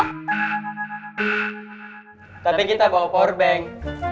tapi kita bawa powerbank